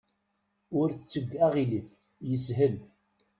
Ur tteg aɣilif. Yeshel.